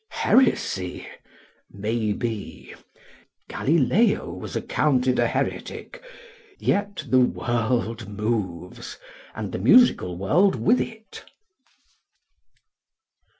Heresy? Maybe. Galileo was accounted a heretic yet the world moves and the musical world with it.